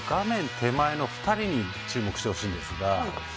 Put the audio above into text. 手前の２人に注目してほしいんですが。